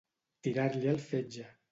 Tirar-li al fetge.